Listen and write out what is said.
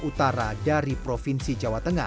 kabupaten jepara merupakan daerah paling ujung jawa tengah